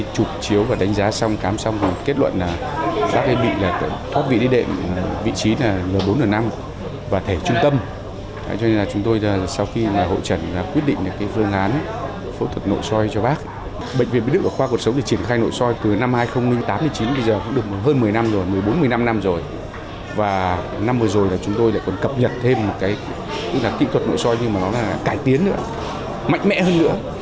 tức là kỹ thuật nội sôi nhưng mà nó là cải tiến nữa mạnh mẽ hơn nữa